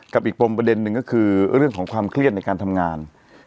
อีกปมประเด็นหนึ่งก็คือเรื่องของความเครียดในการทำงาน